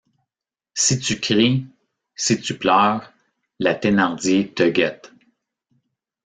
Si tu cries, si tu pleures, la Thénardier te guette.